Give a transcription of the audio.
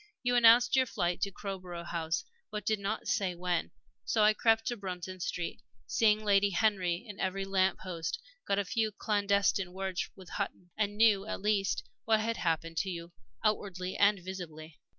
You announced your flight to Crowborough House, but did not say when, so I crept to Bruton Street, seeing Lady Henry in every lamp post, got a few clandestine words with Hutton, and knew, at least, what had happened to you outwardly and visibly.